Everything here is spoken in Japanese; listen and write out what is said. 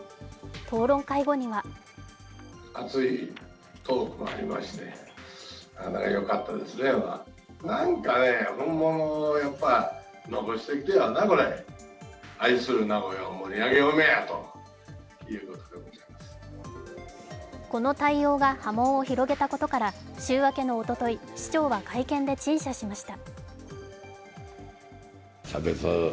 討論会後にはこの対応が波紋を広げたことから週明けのおととい、市長は会見で陳謝しました。